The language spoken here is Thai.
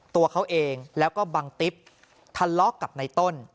ตัวเขาเองแล้วก็บังติ๊บทะเลาะกับในต้น